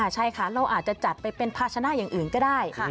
ใช่ค่ะเราอาจจะจัดไปเป็นภาชนะอย่างอื่นก็ได้